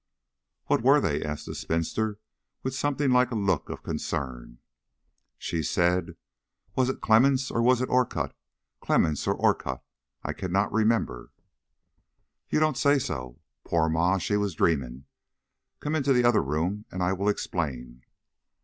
"What were they?" asked the spinster, with something like a look of concern. "She said: 'Was it Clemmens or was it Orcutt? Clemmens or Orcutt? I cannot remember.'" "You don't say so! Poor ma! She was dreaming. Come into the other room and I will explain."